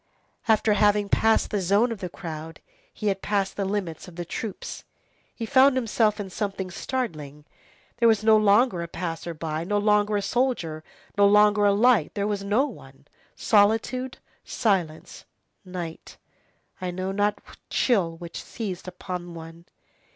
After having passed the zone of the crowd, he had passed the limits of the troops; he found himself in something startling. There was no longer a passer by, no longer a soldier, no longer a light, there was no one; solitude, silence, night, I know not what chill which seized hold upon one.